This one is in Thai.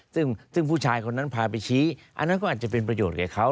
ซึ่งผู้ชายคนนั้นพาไปชี้อันนั้นก็อาจจะเป็นประโยชน์กับเขา